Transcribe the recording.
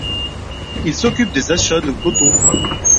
Il s'occupe des achats de coton.